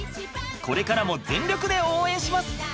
これからも全力で応援します。